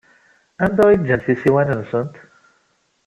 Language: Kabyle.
Anda ay ǧǧant tisiwanin-nsent?